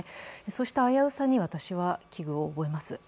そういう危うさに私は危惧を覚えます。